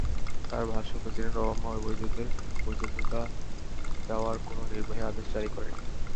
তাঁর ভাষ্য, president Obama অবৈধদের বৈধতা দেওয়ার কোনো নির্বাহী আদেশ জারি করেননি।